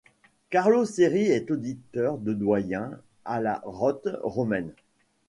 Carlo Cerri est auditeur et doyen à la Rote romaine.